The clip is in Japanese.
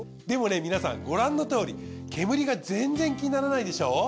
でもね皆さんご覧のとおり煙が全然気にならないでしょ？